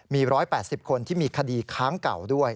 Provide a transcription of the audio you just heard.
มี๑๘๐คนที่มีคดีค้างเก่าด้วย